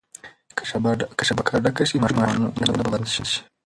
که شبکه ډکه شي ماشینونه به بند شي.